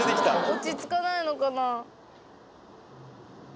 落ち着かないのかな？